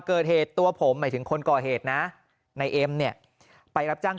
เกิดเหตุตัวผมหมายถึงคนก่อเหตุนะในเอ็มเนี่ยไปรับจ้าง